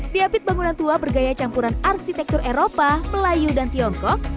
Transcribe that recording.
di apit bangunan tua bergaya campuran arsitektur eropa melayu dan tiongkok